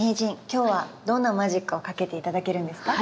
今日はどんなマジックをかけて頂けるんですか？